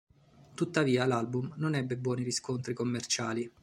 Tuttavia l'album non ebbe buoni riscontri commerciali.